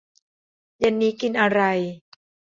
เย็นนี้กินอะไร